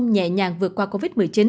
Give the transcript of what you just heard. nhẹ nhàng vượt qua covid một mươi chín